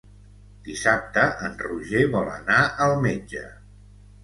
Dissabte en Roger vol anar al metge.